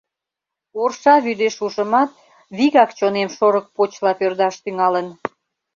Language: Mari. Орша вӱдеш ужымат, вигак чонем шорык почла пӧрдаш тӱҥалын.